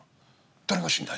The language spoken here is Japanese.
誰が死んだんや？